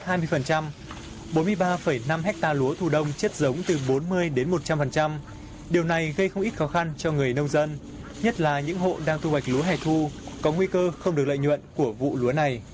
bốn mươi ba năm ha lúa thu đông chất giống từ bốn mươi đến một trăm linh điều này gây không ít khó khăn cho người nông dân nhất là những hộ đang thu hoạch lúa hẻ thu có nguy cơ không được lợi nhuận của vụ lúa này